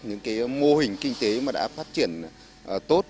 những mô hình kinh tế đã phát triển tốt